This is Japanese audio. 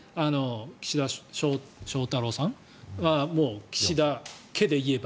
岸田翔太郎さんは岸田家でいえば。